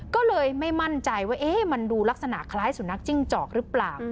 ก็เลยไม่มั่นใจว่ามันดูลักษณะคล้ายสุนัขจิ้งจอกหรือเปล่า